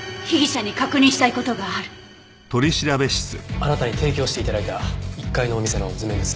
あなたに提供して頂いた１階のお店の図面です。